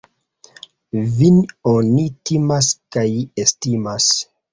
Vin oni timas kaj estimas.